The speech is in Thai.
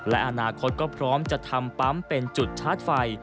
และอนาคตก็พร้อมจะทำปั๊มเป็นจุดชาร์จไฟ